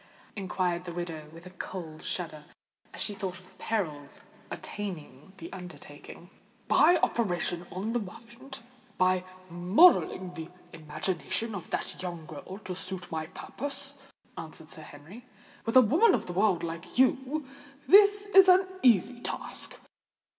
inquired the widow, with a cold shudder, as she thought of the perils attending the undertaking. "By operating on the mind—by modelling the imagination of that young girl to suit my purpose," answered Sir Henry. "With a woman of the world like you, this is an easy task.